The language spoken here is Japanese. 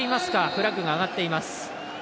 フラッグが上がっています。